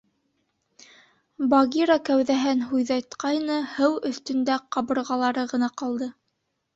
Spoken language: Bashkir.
Багира кәүҙәһен һуйҙайтҡайны, һыу өҫтөндә ҡабырғалары ғына ҡалды.